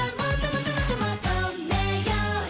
もっともっともっと求めよ！